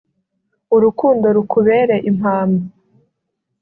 urukundo rukubere impamba